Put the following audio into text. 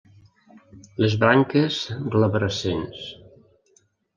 Les branques glabrescents.